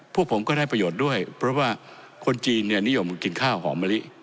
พวกผมก็ได้ประโยชน์ด้วยเพราะว่าคนจีนเนี่ยนิยมกินข้าวหอมมะลิ